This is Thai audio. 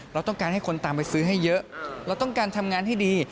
เราต้องการให้คนตามไปซื้อให้เยอะเราต้องการทำงานให้ดี